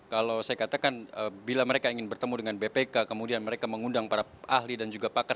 kalau saya katakan bila mereka ingin bertemu dengan bpk kemudian mereka mengundang para ahli dan juga pakar